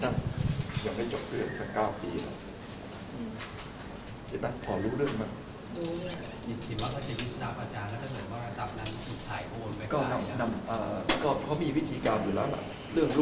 ครับทำไมเขาถึงให้คนที่เป็นผู้เสียหายเนี่ย